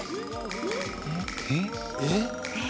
えっ？